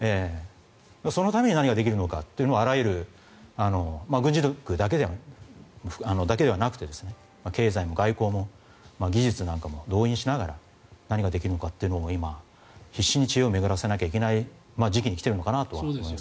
そのために何ができるのかというのをあらゆる軍事力だけではなくて経済も外交も技術なんかも動員しながら何ができるのかというのを今、必死に知恵を巡らせなきゃいけない時期に来ているのかと思います。